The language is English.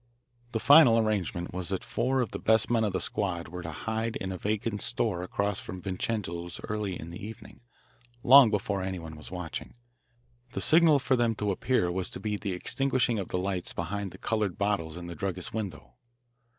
The final arrangement was that four of the best men of the squad were to hide in a vacant store across from Vincenzo's early in the evening, long before anyone was watching. The signal for them to appear was to be the extinguishing of the lights behind the coloured bottles in the druggist's window.